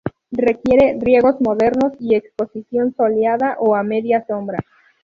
Requiere riegos moderados y exposición soleada o a media sombra.